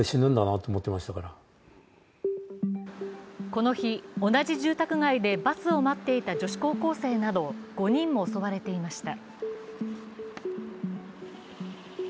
この日、同じ住宅街でバスを待っていた女子高校生など５人も襲われていました。